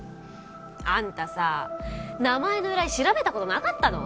あんたさ名前の由来調べた事なかったの？